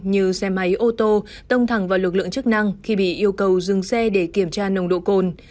như xe máy ô tô tông thẳng vào lực lượng chức năng khi bị yêu cầu dừng xe để kiểm tra nồng độ cồn